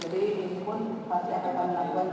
jadi ini pun pasti akan kami lakukan